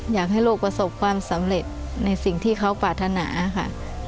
อยากให้ลูกประสบความสำเร็จในสิ่งที่เขาปรารถนาค่ะ